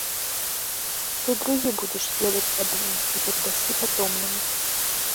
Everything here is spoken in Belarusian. Ты другі будзеш ведаць аб ім і перадасі патомным.